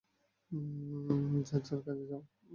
যার যার কাজে যাও।